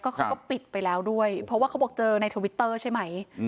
เขาก็ปิดไปแล้วด้วยเพราะว่าเขาบอกเจอในทวิตเตอร์ใช่ไหม